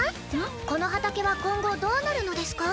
この畑は今後どうなるのですか？